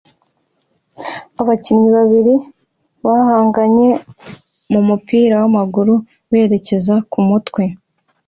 Abakinnyi babiri bahanganye mumupira wamaguru berekeza kumutwe